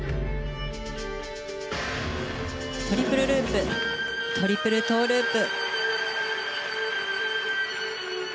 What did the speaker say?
トリプルループトリプルトウループ。